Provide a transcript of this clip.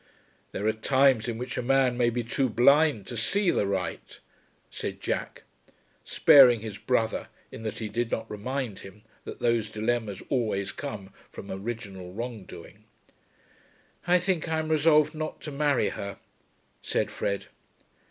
"There are times in which a man may be too blind to see the right," said Jack, sparing his brother in that he did not remind him that those dilemmas always come from original wrong doing. "I think I am resolved not to marry her," said Fred.